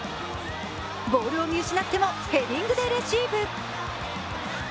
ボールを見失ってもヘディングでレシーブ。